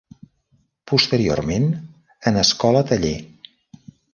Posteriorment, en escola taller.